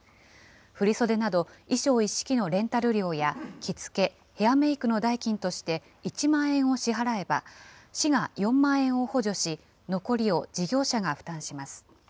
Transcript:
振り袖など、衣装一式のレンタル料や着付け、ヘアメークの代金として１万円を支払えば、市が４万円を補助し、残りを事業者が負担します。